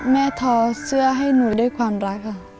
แม่ทอเสื้อให้หนูได้ความรักค่ะ